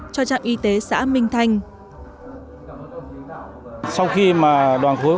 cho trang y tế xã minh thanh